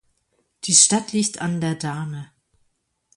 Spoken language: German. Die Stadt liegt an der Dahme.